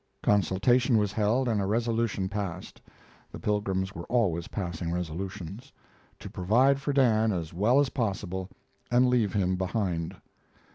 Consultation was held and a resolution passed (the pilgrims were always passing resolutions) to provide for Dan as well as possible, and leave him behind.